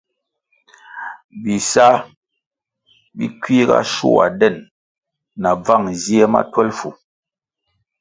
Bisa bi kiuga shua den na bvan zie ma twelfu.